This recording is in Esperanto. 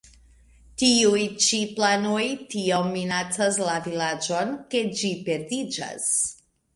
Tiuj ĉi planoj tiom minacas la vilaĝon, ke ĝi perdiĝas.